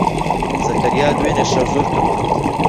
زەکەریا دوێنێ شەو زۆر کەم خەوت.